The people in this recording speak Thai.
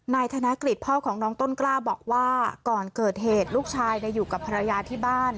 นายกฤษพ่อของน้องต้นกล้าบอกว่าก่อนเกิดเหตุลูกชายอยู่กับภรรยาที่บ้าน